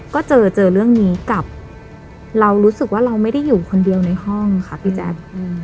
ก็เจอเจอเรื่องนี้กับเรารู้สึกว่าเราไม่ได้อยู่คนเดียวในห้องค่ะพี่แจ๊ค